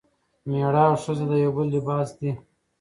میړه او ښځه د یو بل لباس دي.